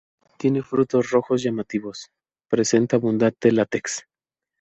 Tiene frutos rojos llamativos, presenta abundante látex.